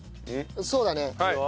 そうだね。